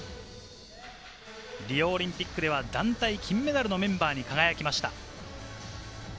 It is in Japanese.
リオオリンピックでは団体金メダルのメンバーに輝きました。